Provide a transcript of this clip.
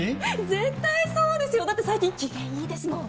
絶対そうですよだって最近機嫌いいですもん。